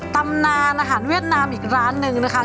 ตำนานอาหารเวียดนามอีกร้านหนึ่งนะคะ